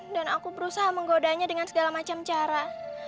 dan aku berusaha menggodanya dengan segala macam cara